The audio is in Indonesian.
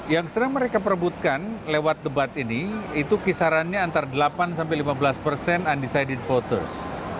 yang sering mereka perebutkan lewat debat ini itu kisarannya antara delapan sampai lima belas persen undecided voters